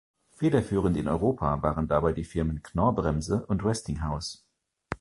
Federführend in Europa waren dabei die Firmen Knorr-Bremse und Westinghouse.